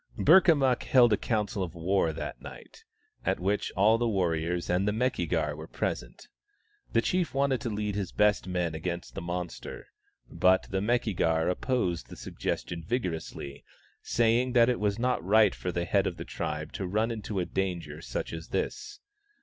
Burkamukk held a council of war that night, at which all the warriors and the Meki gar were present. The chief wanted to lead his best men against the monster, but the Meki gar opposed the suggestion vigorously, saying that it was not right for the head of the tribe to run into a danger such as this.